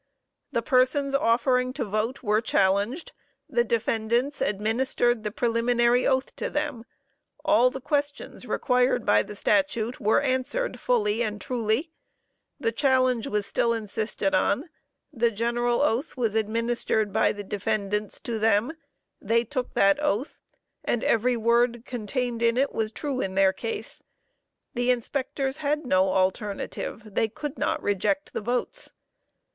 The persons offering to vote were challenged; the defendants administered the preliminary oath to them; all the questions required by the statute were answered fully and truly; the challenge was still insisted on; the general oath was administered by the defendants to them; they took that oath, and every word contained in it was true in their case. The inspectors had no alternative. They could not reject the votes.